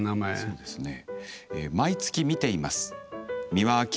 そうですね。